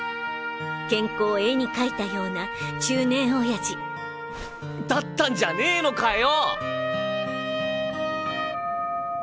健康を絵に描いたような中年親父だったんじゃねぇのかよ！！